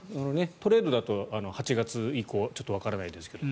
トレードだと８月以降ちょっとわからないですけど。